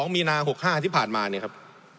มีนา๖๕ที่ผ่านมาเนี่ยครับ